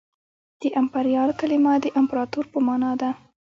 د امپریال کلمه د امپراطور په مانا ده